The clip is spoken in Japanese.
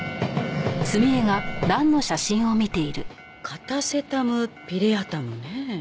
カタセタムピレアタムね。